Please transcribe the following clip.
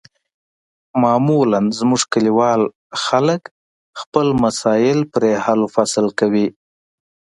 معمولا زموږ کلیوال خلک خپل مسایل پرې حل و فصل کوي.